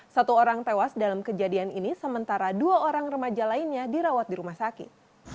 satu orang tewas dalam kejadian ini sementara dua orang remaja lainnya dirawat di rumah sakit